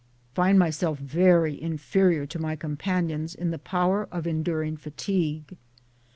Find myself very in ferior to my companions in the power of enduring fatigue.